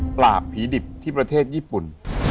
ปราบผีดิบที่ประเทศญี่ปุ่น